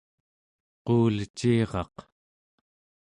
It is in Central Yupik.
quuleciraq